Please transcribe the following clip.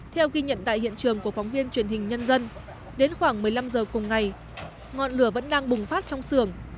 theo ghi nhận tại hiện trường của phóng viên truyền hình nhân dân đến khoảng một mươi năm h cùng ngày ngọn lửa vẫn đang bùng phát trong xưởng